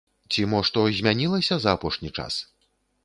Ці мо што змянілася за апошні час?